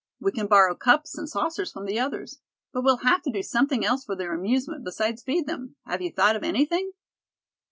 We can borrow cups and saucers from the others. But we'll have to do something else for their amusement besides feed them. Have you thought of anything?"